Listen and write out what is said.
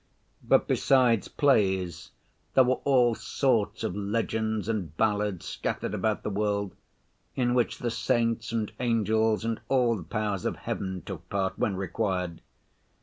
But besides plays there were all sorts of legends and ballads scattered about the world, in which the saints and angels and all the powers of Heaven took part when required.